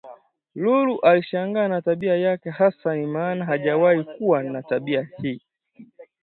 Lulu alishangaa na tabia yake Hasani maana hajawahi kuwa na tabia hii